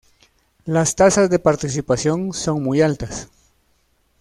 Las tasas de participación son muy altas.